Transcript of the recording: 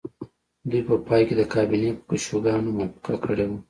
دوی په پای کې د کابینې په کشوګانو موافقه کړې وه